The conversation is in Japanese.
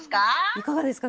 いかがですか？